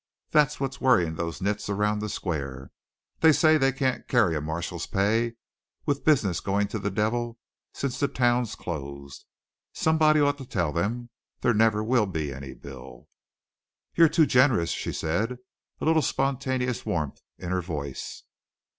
"That's what's worrying those nits around the square, they say they can't carry a marshal's pay with business going to the devil since the town's closed. Somebody ought to tell them. There never will be any bill." "You're too generous," she said, a little spontaneous warmth in her voice.